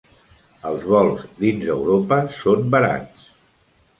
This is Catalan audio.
Els vols dins Europa són barats.